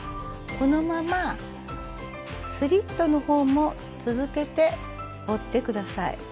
このままスリットの方も続けて折って下さい。